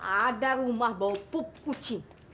ada rumah bau pup kucing